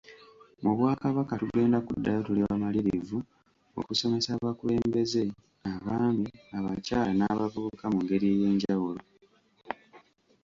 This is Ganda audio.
Mu Bwakabaka tugenda kuddayo tuli bamalirivu okusomesa abakulembeze, abaami, abakyala n'abavubuka mu ngeri ey'enjawulo.